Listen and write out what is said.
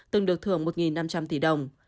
từng được thưởng một năm trăm linh tỷ đồng